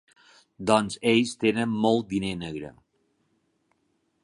Doncs ells tenen molt diner negre.